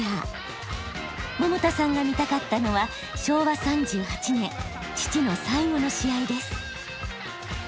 百田さんが見たかったのは昭和３８年父の最後の試合です。